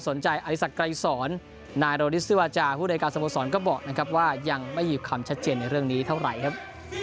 ส่วนกระแสขาวที่สนใจอาริสักใกล้สอนนายโรดิสเซวาาจาผู้โดยการสมโภคสอนก็บอกนะครับว่ายังไม่อยู่คำชัดเจนในเรื่องนี้เท่าไหร่ครับ